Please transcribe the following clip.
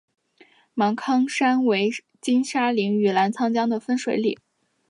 芒康山为金沙江与澜沧江的分水岭。